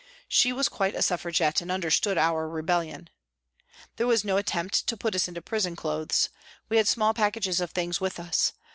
She was quite a Suffragette and understood our rebellion. There was no attempt to put us into prison clothes ; we had small packages of things with us.